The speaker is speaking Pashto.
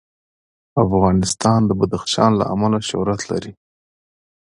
افغانستان د بدخشان له امله شهرت لري.